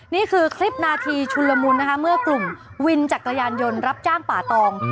นี่คือคลิปนาทีชุนละมุนนะคะเมื่อกลุ่มวินจักรยานยนต์รับจ้างป่าตอง